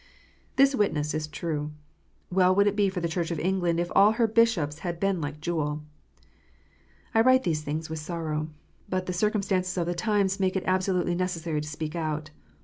This witness is true ! Well would it be for the Church of England, if all her bishops had been like Jewel ! I write these things with sorrow. But the circumstances of the times make it absolutely necessary to speak out.